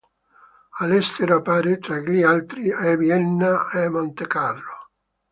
All'estero appare, tra gli altri, a Vienna e Montecarlo.